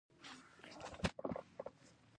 اقلیم د افغانستان د تکنالوژۍ پرمختګ سره تړاو لري.